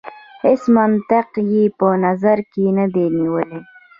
هیڅ منطق یې په نظر کې نه دی نیولی.